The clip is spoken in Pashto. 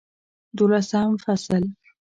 دولسم فصل